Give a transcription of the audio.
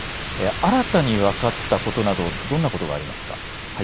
新たに分かったことなどどんなことがありますか。